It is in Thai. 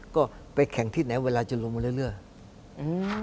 ก็ไปแข่งที่ไหนเวลาจะลงเรื่อย